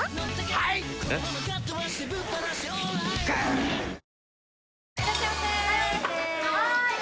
はい！